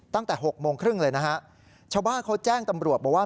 ตั้งแต่๖โมงครึ่งเลยนะฮะชาวบ้านเขาแจ้งตำรวจบอกว่า